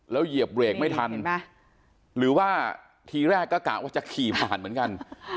เหยียบเบรกไม่ทันหรือว่าทีแรกก็กะว่าจะขี่ผ่านเหมือนกัน